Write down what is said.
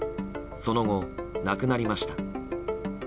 その後、亡くなりました。